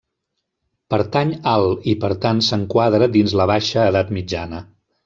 Pertany al i per tant s'enquadra dins la baixa edat mitjana.